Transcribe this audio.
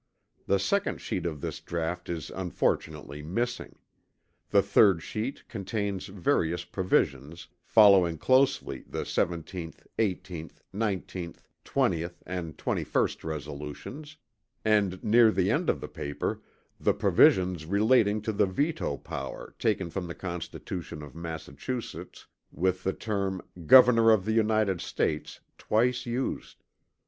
The second sheet of this draught is unfortunately missing; the third sheet contains various provisions, following closely the 17th, 18th, 19th, 20th and 21st resolutions, and, near the end of the paper, the provision relating to the veto power taken from the constitution of Massachusetts with the term "Governour of the United States" twice used.